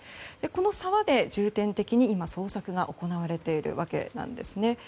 この沢で重点的に今、捜索が行われているわけなんですね。